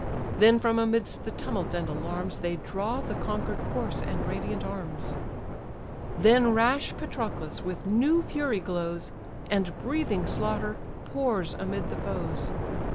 Then from amidst the tumult and alarms, They draw the conquer'd corse and radiant arms. Then rash Patroclus with new fury glows, And breathing slaughter, pours amid the foes.